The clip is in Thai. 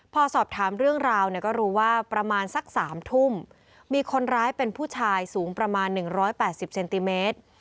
พอสอบถามเรื่องราวเนี่ยก็รู้ว่าประมาณสัก๓ทุ่มมีคนร้ายเป็นผู้ชายสูงประมาณ๑๘๐เซนติเมตร